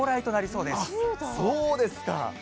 そうですか。